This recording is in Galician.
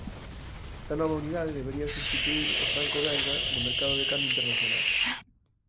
Esta nova unidade debería substituír o franco belga no mercado de cambio internacional.